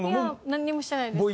なんにもしてないです。